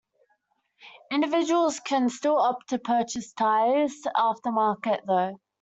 Individuals can still opt to purchase tires aftermarket though.